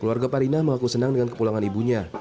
keluarga parinah mengaku senang dengan kepulangan ibunya